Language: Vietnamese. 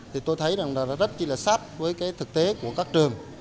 thì tôi thấy rất là sát với thực tế của các trường